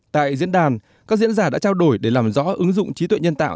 tại diễn đàn các diễn giả đã trao đổi để làm rõ ứng dụng trí tuệ nhân tạo